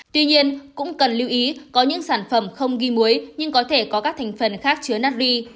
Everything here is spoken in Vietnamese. tuy nhiên cũng cần lưu ý có những sản phẩm không ghi muối nhưng có thể có các thành phần khác chứa nedve